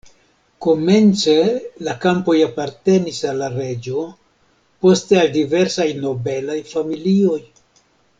Komence la kampoj apartenis al la reĝo, poste al diversaj nobelaj familioj.